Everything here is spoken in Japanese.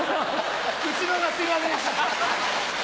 うちのがすいませんでした。